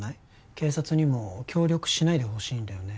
警察にも協力しないでほしいんだよね